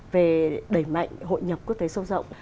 về đẩy mạnh hội nhập quốc tế sâu rộng